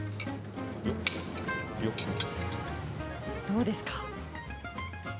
どうですか？